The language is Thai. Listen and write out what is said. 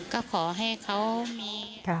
ก็ขอให้เขามี